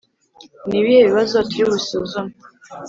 Ni ibihe bibazo turi busuzume